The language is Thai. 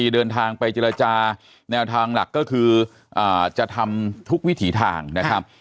เดินทางไปเจรจาแนวทางหลักก็คือจะทำทุกวิถีทางนะครับ